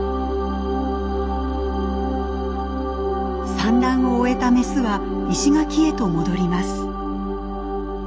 産卵を終えたメスは石垣へと戻ります。